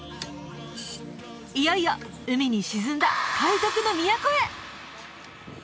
いよいよ海に沈んだ海賊の都へ！